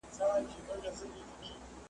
خو هیله لرم چې دا کتاب ولولم